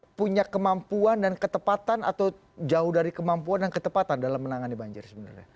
apakah punya kemampuan dan ketepatan atau jauh dari kemampuan dan ketepatan dalam menangani banjir sebenarnya